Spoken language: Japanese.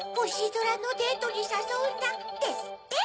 ぞらのデートにさそうんだ」ですって！